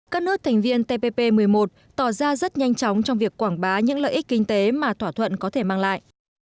các nước thành viên tpp một mươi một tỏ ra rất nhanh chóng trong việc quảng bá những lợi ích kinh tế mà thỏa thuận có thể mang lại